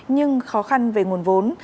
nhưng khó khăn về nguồn vốn